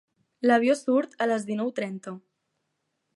L'avió surt a les dinou trenta.